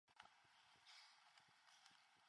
The pollinarium shows a narrow stipe.